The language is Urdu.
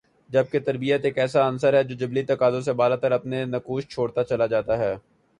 جبکہ تربیت ایک ایسا عنصر ہے جو جبلی تقاضوں سے بالاتر اپنے نقوش چھوڑتا چلا جاتا ہے